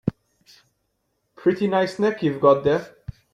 Pretty nice neck you've got there.